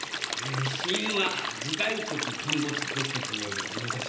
死因は頭蓋骨陥没骨折による脳挫傷。